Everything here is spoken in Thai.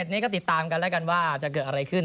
นี้ก็ติดตามกันแล้วกันว่าจะเกิดอะไรขึ้น